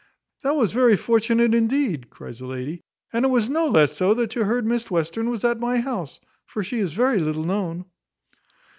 "That was very fortunate, indeed," cries the lady: "And it was no less so, that you heard Miss Western was at my house; for she is very little known."